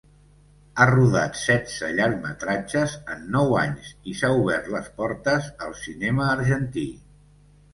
Ha rodat setze llargmetratges en nou anys, i s'ha obert les portes al cinema argentí.